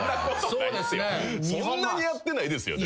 そんなにやってないですよ。